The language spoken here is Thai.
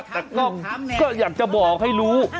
แต่ก็อยากจะบอกให้รู้